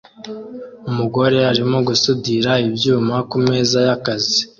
Umugore arimo gusudira ibyuma kumeza yakazi